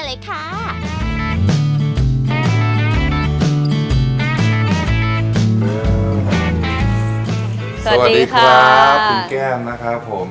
สวัสดีครับคุณแก้มนะครับผม